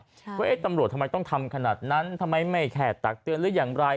ว่าเอ๊ะตำรวจทำไมต้องทำขนาดนั้นทำไมไม่แค่ตักเตือนหรืออย่างไร